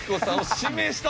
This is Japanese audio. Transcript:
指名した？